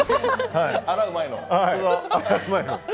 洗う前の。